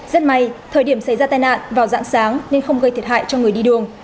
rất may thời điểm xảy ra tai nạn vào dạng sáng nên không gây thiệt hại cho người đi đường